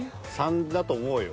３だと思うよ。